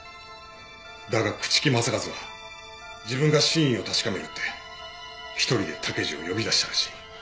だが朽木政一は自分が真意を確かめるって１人で武二を呼び出したらしい。